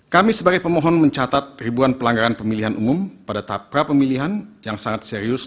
kami sebagai pemohon mencatat ribuan pelanggaran pemilihan umum pada tahap pra pemilihan yang sangat serius